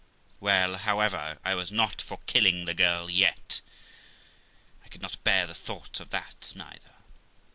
Well, however, I was not for killing the girl yet. I could not bear the thoughts of that neither.